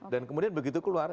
dan kemudian begitu keluar